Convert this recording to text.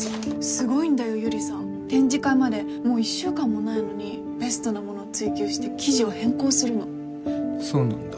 すごいんだよ百合さん展示会までもう一週間もないのにベストなもの追求して生地を変更するのそうなんだ